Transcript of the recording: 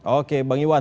oke bang iwan